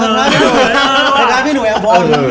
ข้างล่างพี่หนุ่ยอัมพล